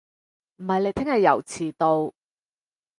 唔係你聽日又遲到